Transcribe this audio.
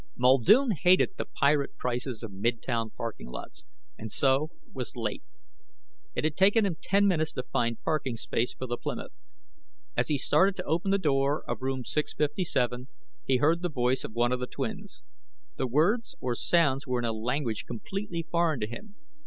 Muldoon hated the pirate prices of midtown parking lots, and so was late. It had taken him ten minutes to find parking space for the Plymouth. As he started to open the door of room 657 he heard the voice of one of the twins. The words or sounds were in a language completely foreign to him.